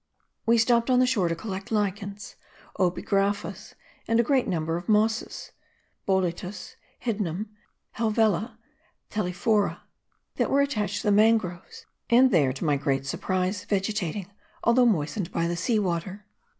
We stopped on the shore to collect lichens, opegraphas and a great number of mosses (Boletus, Hydnum, Helvela, Thelephora) that were attached to the mangroves, and there, to my great surprise, vegetating, although moistened by the sea water.